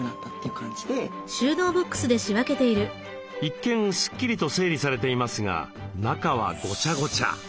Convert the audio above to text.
一見スッキリと整理されていますが中はごちゃごちゃ。